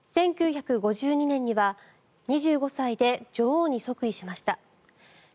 １９５２年には２５歳で女王に即位しました。